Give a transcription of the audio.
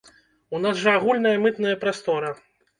У нас жа агульная мытная прастора!